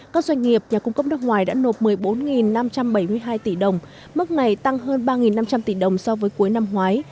các doanh nghiệp nhà cung cấp nước ngoài đã nộp một mươi bốn năm trăm bảy mươi hai tỷ đồng mức này tăng hơn ba năm trăm linh tỷ đồng so với cuối năm ngoái